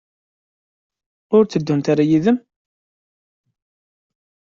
Ur tteddunt ara yid-m?